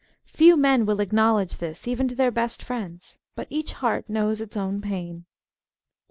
Few men will acknowledge this even to their best friends. But each heart knows its own pain.